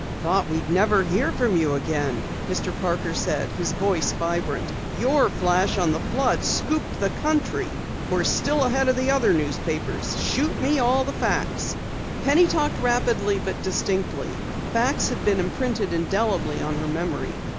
"Thought we never would hear from you again," Mr. Parker said, his voice vibrant. "Your flash on the flood scooped the country. We're still ahead of the other newspapers. Shoot me all the facts." Penny talked rapidly but distinctly. Facts had been imprinted indelibly on her memory.